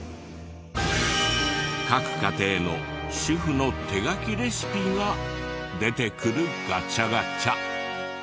各家庭の主婦の手書きレシピが出てくるガチャガチャ。